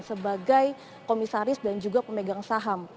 sebagai komisaris dan juga pemegang saham